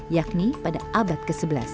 yakni pada abad ke sebelas